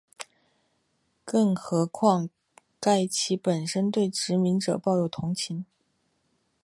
更何况盖奇本身又对殖民者抱有同情。